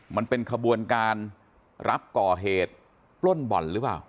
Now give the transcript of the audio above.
มันเป็นขบวนการรับก่อเหตุปล้นบ่อนหรือเปล่า